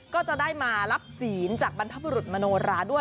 ก็จะได้มารับศีลจากบรรพบุรุษมโนราด้วย